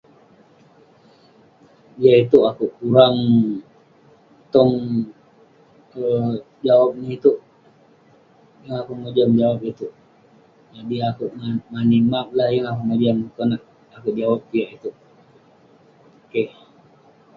Yah itouk akouk kurang tong- tong nah itouk. Yeng akouk mojam jawab itouk, jadi akouk mani map lah yeng akouk mojam konak akouk jawab piak itouk. Keh.